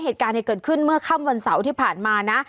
เหตุการณ์เกิดขึ้นเมื่อค่ำวันเสาร์ที่ผ่านมานะ